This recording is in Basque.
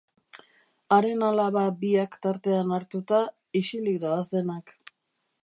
Haren alaba biak tartean hartuta, isilik doaz denak.